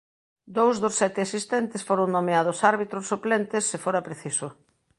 Dous dos sete asistentes foron nomeados árbitros suplentes se fora preciso.